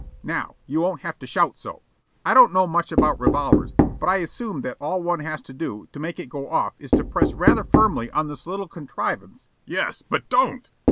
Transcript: Now you won't have to shout so. I don't know much about revolvers, but I assume that all one has to do to make it go off is to press rather firmly on this little contrivance " "Yes! But DON'T!"